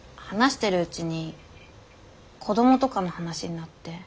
話してるうちに子どもとかの話になって。